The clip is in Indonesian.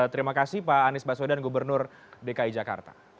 terima kasih pak anies baswedan gubernur dki jakarta